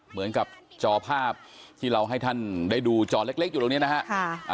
เหมือนกับจอภาพที่เราให้ท่านได้ดูจอเล็กอยู่ตรงนี้นะฮะ